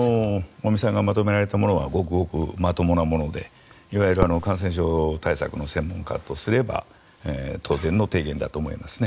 尾身さんがまとめられたものはごくごくまともなものでいわゆる感染症対策の専門家とすれば当然の提言だと思いますね。